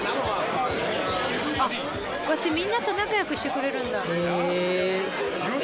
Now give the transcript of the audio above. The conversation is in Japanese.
こうやってみんなと仲良くしてくれるんだ。